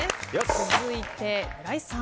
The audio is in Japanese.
続いて村井さん。